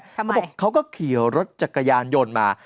เขาบอกเขาก็ขี่รถจักรยานยนต์มา